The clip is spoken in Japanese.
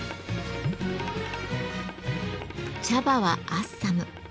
茶葉はアッサム。